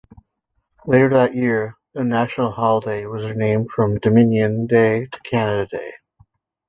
Later that year, the national holiday was renamed from Dominion Day to Canada Day.